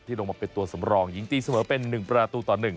ลงมาเป็นตัวสำรองยิงตีเสมอเป็น๑ประตูต่อ๑